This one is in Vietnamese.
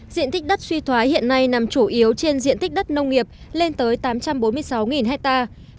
diện tích đất suy thoái hiện nay nằm chủ yếu trên diện tích đất nông nghiệp lên tới tám trăm bốn mươi sáu hectare